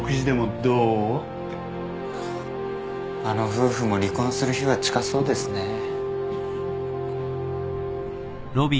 あの夫婦も離婚する日は近そうですね。